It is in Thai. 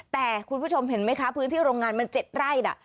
แต่คุณผู้ชมเห็นไหมคะพื้นที่โรงงานมัน๗ไร่